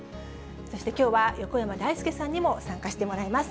そしてきょうは、横山だいすけさんにも参加してもらいます。